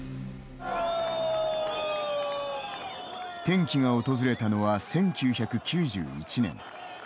転機が訪れたのは１９９１年。